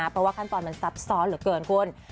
เพราะว่าขั้นตอนมันซับซ้อนเหลือเกินคุณ